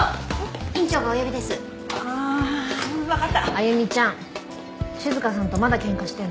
歩ちゃん静さんとまだ喧嘩してるの？